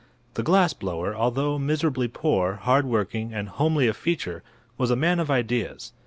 The glass blower, although miserably poor, hard working and homely of feature, was a man of ideas.